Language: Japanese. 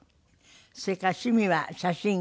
それから趣味は写真。